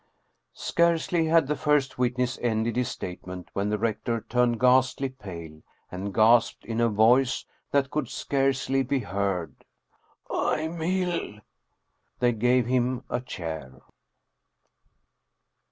Scarcely had the first witness ended his statement when the rector turned ghastly pale, and gasped, in a voice that could scarcely be heard, " I am ill." They gave him a chair.